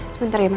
sebentar ya ma